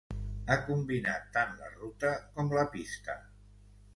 Ha combinat tant la ruta com la pista.